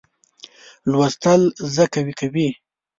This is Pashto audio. لوستل زه قوي کوي.